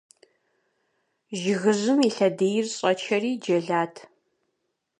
Жыгыжьым и лъэдийр щӀэчэри джэлат.